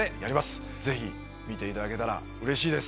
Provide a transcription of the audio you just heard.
ぜひ見ていただけたらうれしいです。